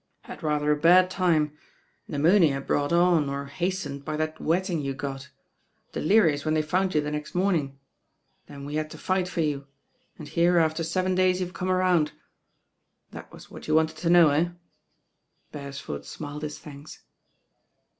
"Had rather a bad time. Pneumonia brought on, or hastened, by that wetting you got. Delirious when they found you the next morning. Then we had to fight for you, and here after seven days youVe come around. That was what you wanted to know, eh?" Beresford smiled his th?.nks.